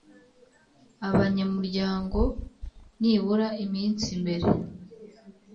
Abanyamuryango nibura iminsi mbere